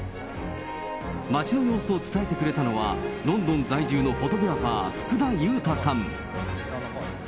街の様子を伝えてくれたのは、ロンドン在住のフォトグラファー、福田雄太さん。